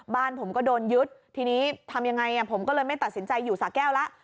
บ้านผมก็โดนยึดทีนี้ทำยังไงผมก็เลยไม่ตัดสินใจอยู่สาแก้วแล้ว